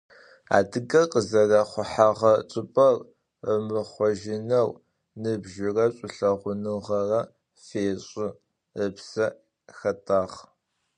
Adıger khızerexhuheğe çç'ıp'er ımıxhojıneu nıbjıre ş'ulheğunığe fêş'ı, ıpse xet'ağ.